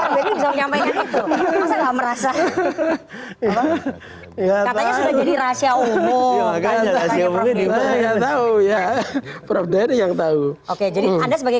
nggak tahu nggak tahu tapi merasa jadi rahasia umum ya tahu ya yang tahu oke jadi anda sebagai